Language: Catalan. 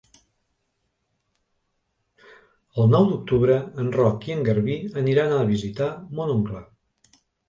El nou d'octubre en Roc i en Garbí aniran a visitar mon oncle.